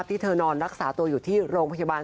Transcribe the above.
ที่เธอนอนรักษาตัวอยู่ที่โรงพยาบาล